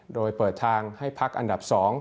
โดยเปิดทางให้พักอันดับ๒